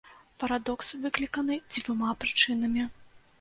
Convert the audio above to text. Парадокс выкліканы дзвюма прычынамі.